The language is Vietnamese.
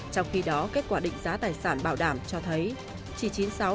trong khi đó kết quả định giá tài sản bảo đảm cho tham dự